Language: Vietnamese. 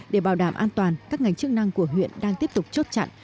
để bảo đảm an toàn các ngành chức năng của huyện đang tiếp tục chốt chặn